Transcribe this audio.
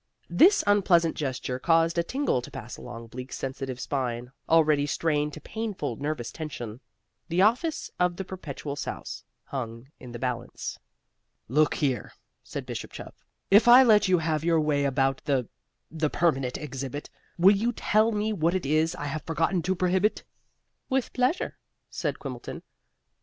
This unpleasant gesture caused a tingle to pass along Bleak's sensitive spine, already strained to painful nervous tension. The office of the Perpetual Souse hung in the balance. "Look here," said Bishop Chuff, "If I let you have your way about the the Permanent Exhibit, will you tell me what it is I have forgotten to prohibit?" "With pleasure," said Quimbleton.